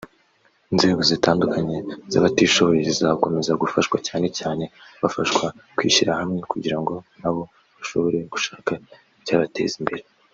inzego zitandukanye z’abatishoboye zizakomeza gufashwa cyane cyane bafashwa kwishyirahamwe kugira ngo nabo bashobore gushaka ibyabateza imbere